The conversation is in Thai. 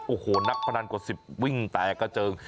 โอ้โหนักพนันกว่า๑๐วิ่งแตกกระเจิง